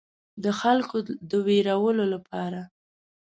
د خلکو د ویرولو لپاره.